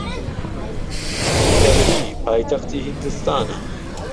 نیودەلهی پایتەختی هیندستانە.